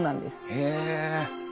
へえ！